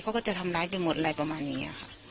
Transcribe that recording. เขาก็จะทำร้ายไปหมดอะไรประมาณนี้